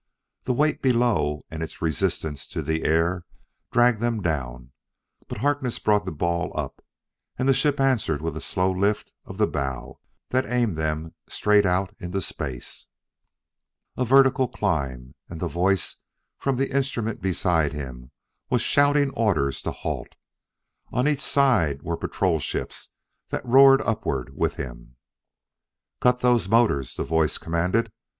The weight below, and its resistance to the air, dragged them down, but Harkness brought the ball up, and the ship answered with a slow lift of the bow that aimed them straight out into space. A vertical climb! and the voice from the instrument beside him was shouting orders to halt. On each side were patrol ships that roared upward with him. "Cut those motors!" the voice commanded.